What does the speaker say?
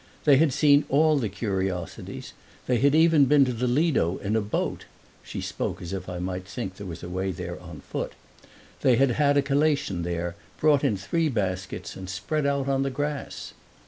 They had seen all the curiosities; they had even been to the Lido in a boat (she spoke as if I might think there was a way on foot); they had had a collation there, brought in three baskets and spread out on the grass.